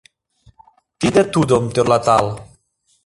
Тиде-тудым тӧрлатал